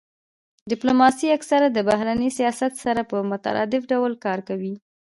ډیپلوماسي اکثرا د بهرني سیاست سره په مترادف ډول کارول کیږي